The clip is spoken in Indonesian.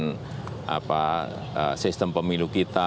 kita tidak menyederhanakan sistem pemilu kita